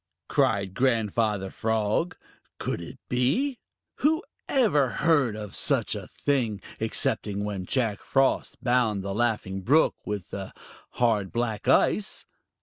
cried Grandfather Frog. Could it be? Who ever heard of such a thing, excepting when Jack Frost bound the Laughing Brook with hard black ice?